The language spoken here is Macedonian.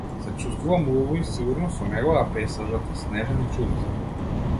Се чувствувам убаво и сигурно со него, а пејзажот е снежен и чудесен.